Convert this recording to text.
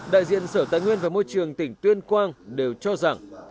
đại diện sở tài nguyên và môi trường tỉnh tuyên quang đều cho rằng